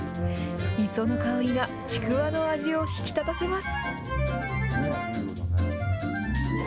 磯の香りが、ちくわの味を引き立たせます。